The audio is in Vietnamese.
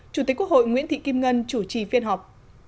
chủ tịch quốc hội nguyễn thị kim ngân chủ trì phiên họp